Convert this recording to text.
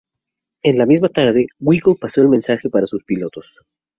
En la misma tarde Wilcke pasó el mensaje para sus pilotos.